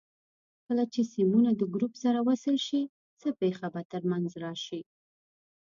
کله چې سیمونه د ګروپ سره وصل شي څه پېښه به تر منځ راشي؟